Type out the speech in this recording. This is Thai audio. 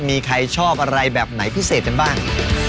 มีใครชอบอะไรแบบไหนพิเศษกันบ้าง